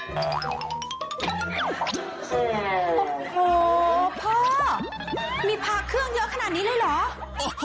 โอ้โหพ่อมีพาเครื่องเยอะขนาดนี้เลยเหรอ